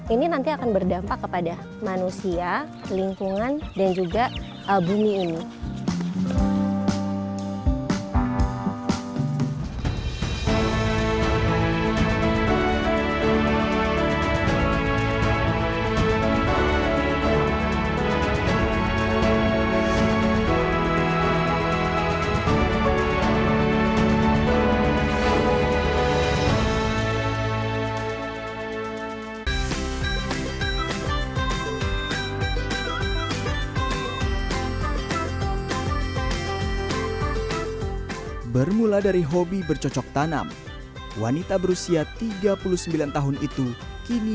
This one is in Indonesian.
ini nanti akan berdampak kepada manusia lingkungan dan juga bumi ini